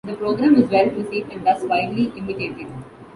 The program was well received and thus widely imitated.